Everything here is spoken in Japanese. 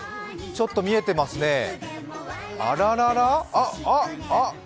ちょっと見えてますね。